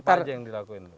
apa aja yang dilakuin